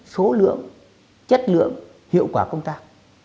số lượng chất lượng hiệu quả công tác